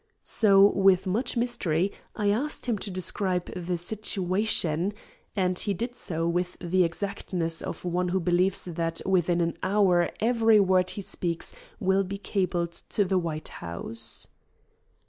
So, with much mystery, I asked him to describe the "situation," and he did so with the exactness of one who believes that within an hour every word he speaks will be cabled to the White House.